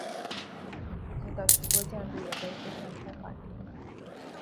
附近的许多建筑也被碎片破坏。